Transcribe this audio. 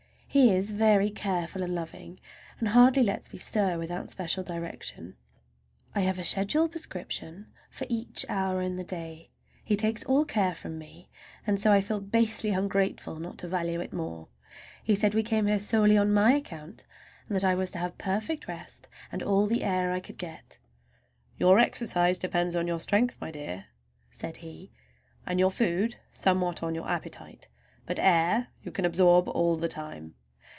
He is very careful and loving, and hardly lets me stir without special direction. I have a schedule prescription for each hour in the day; he takes all care from me, and so I feel basely ungrateful not to value it more. He said we came here solely on my account, that I was to have perfect rest and all the air I could get. "Your exercise depends on your strength, my dear," said he, "and your food somewhat on your appetite; but air you can absorb all the time."